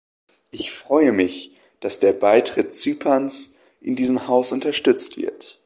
Ich freue mich, dass der Beitritt Zyperns in diesem Haus unterstützt wird.